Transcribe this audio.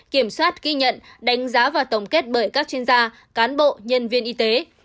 kiểm soát ghi nhận đánh giá và tổng kết bởi các chuyên gia cán bộ nhân viên y tế